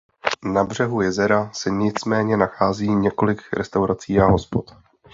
Na břehu jezera se nicméně nachází několik restaurací a hospod.